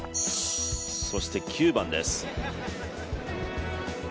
そして９番です。